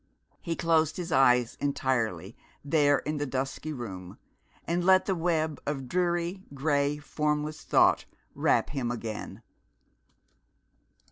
He closed his eyes entirely, there in the dusky room, and let the web of dreary, gray, formless thought wrap him again.